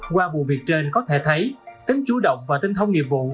qua vụ việc trên có thể thấy tính chủ động và tinh thông nghiệp vụ